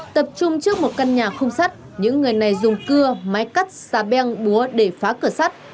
tập trung trước một căn nhà khung sắt những người này dùng cưa máy cắt xà beng búa để phá cửa sắt